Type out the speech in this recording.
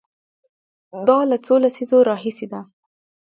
دا له څو لسیزو راهیسې ده.